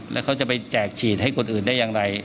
แล้วเขาจะไปแจกฉีดให้คนอื่นได้อย่างไร